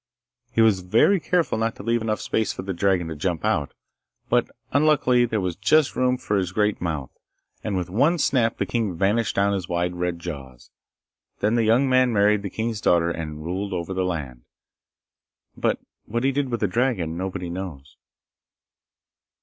He was very careful not to leave enough space for the dragon to jump out, but unluckily there was just room for his great mouth, and with one snap the king vanished down his wide red jaws. Then the young man married the king's daughter and ruled over the land, but what he did with the dragon nobody knows.